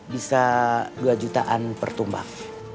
bisa dua jutaan per tumbang